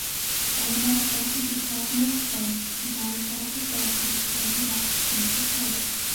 Ela mora perto de Caernarfon, então ela estará por perto para ajudar, se necessário.